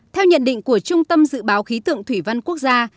theo nhận định của trung tâm dự báo khí tượng thủy văn quốc gia